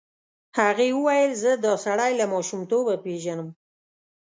هغې وویل زه دا سړی له ماشومتوبه پېژنم.